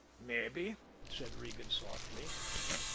"Mabbe," said Regan softly.